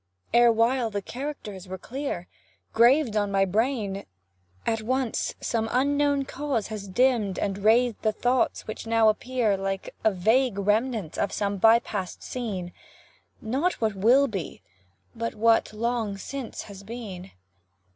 Erewhile the characters were clear, Graved on my brain at once some unknown cause Has dimm'd and razed the thoughts, which now appear, Like a vague remnant of some by past scene; Not what will be, but what, long since, has been.